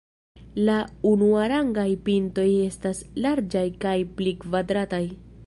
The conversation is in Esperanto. La unuarangaj pintoj estas larĝaj kaj pli kvadrataj.